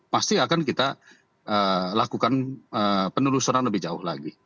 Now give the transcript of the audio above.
pasti akan kita lakukan penelusuran lebih jauh lagi